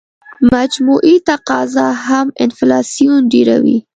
مجموعي تقاضا هم انفلاسیون ډېروي.